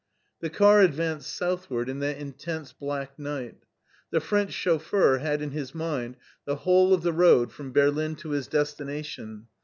The car advanced southward in that intense black night. The French chauffeur had in his mind the whole of the road from Berlin to his destination.